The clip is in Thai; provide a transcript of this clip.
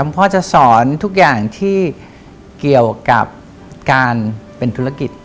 พ่อจะสอนทุกอย่างที่เกี่ยวกับการเป็นธุรกิจ